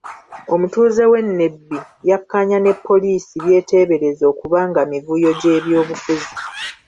Omutuuze w'e Nebbi yakkaanya ne poliisi by'eteebereza okuba nga mivuyo gy'ebyobufuzi.